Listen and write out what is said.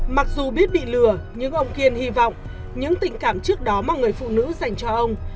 mặc dù biết bị lừa nhưng ông kiên hy vọng những tình cảm trước đó mà người phụ nữ dành cho ông